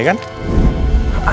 gak ada apa apa kan